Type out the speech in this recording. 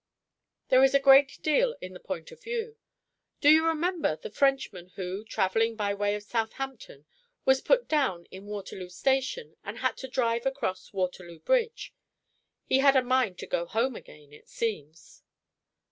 There is a great deal in the point of view. Do you remember the Frenchman who, travelling by way of Southampton, was put down in Waterloo Station, and had to drive across Waterloo Bridge? He had a mind to go home again, it seems.